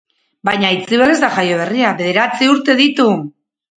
Baina Aitziber ez da jaioberria, bederatzi urte ditu!